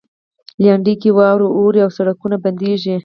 لېندۍ کې واوره اوري او سړکونه بندیږي.